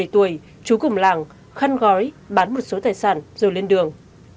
một mươi tuổi chú cùng làng khăn gói bán một số tài sản rồi lên đường